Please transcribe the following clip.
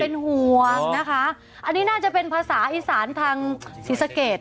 มันจะร้อนเป็นความห่วงนะคะอันนี้น่าจะเป็นภาษาอีสานทางสิสเกต